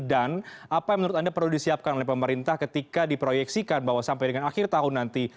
dan apa yang menurut anda perlu disiapkan oleh pemerintah ketika diproyeksikan bahwa sampai dengan akhir tahun nanti